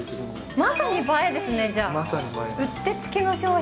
まさに映えですね、じゃあ。